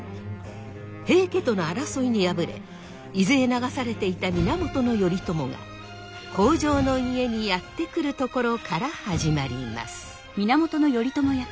平家との争いに敗れ伊豆へ流されていた源頼朝が北条の家にやって来るところから始まります。